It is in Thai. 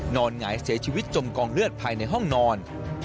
หงายเสียชีวิตจมกองเลือดภายในห้องนอน